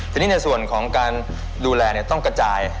ทีนี้ในส่วนของการดูแลต้องกระจาย